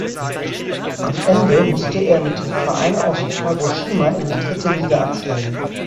Am Ende musste er mit dem Verein aus Kagoshima in die dritte Liga absteigen.